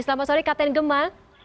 selamat sore kapten gemal